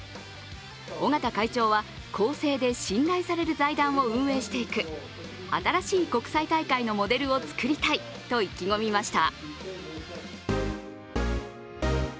尾縣会長は公正で信頼される財団を運営していく新しい国際大会のモデルを作りたいと意気込みました。